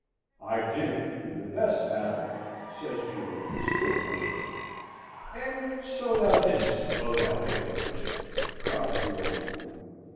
"I did it for the best, madam," says George, still blushing. "And so thou didst, O thou hypocrite!" cries the old lady.